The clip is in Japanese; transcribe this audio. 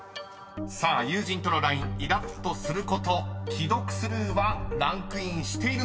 ［さあ友人とのＬＩＮＥイラッとすること既読スルーはランクインしているのか。